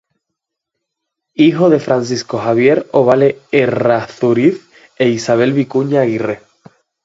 Hijo de Francisco Javier Ovalle Errázuriz e Isabel Vicuña Aguirre.